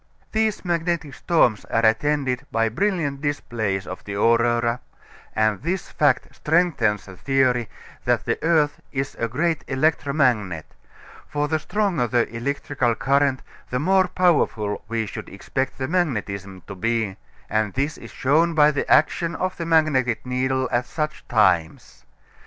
These magnetic storms are attended by brilliant displays of the aurora, and this fact strengthens the theory that the earth is a great electromagnet; for the stronger the electrical current the more powerful we should expect the magnetism to be, and this is shown by the action of the magnetic needle at such times.